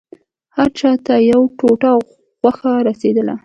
هر چا ته يوه ټوټه غوښه رسېدله.